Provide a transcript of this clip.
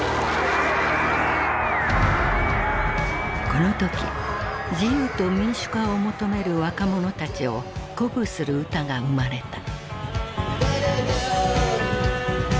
この時自由と民主化を求める若者たちを鼓舞する歌が生まれた。